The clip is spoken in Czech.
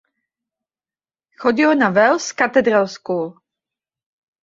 Chodil na Wells Cathedral School.